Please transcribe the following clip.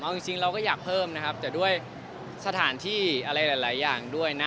เอาจริงเราก็อยากเพิ่มนะครับแต่ด้วยสถานที่อะไรหลายอย่างด้วยนะ